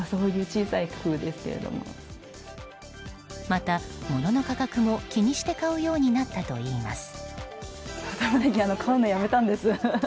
また、物の価格も気にして買うようになったといいます。